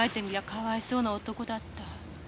かわいそうな男だった。